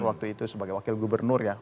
waktu itu sebagai wakil gubernur ya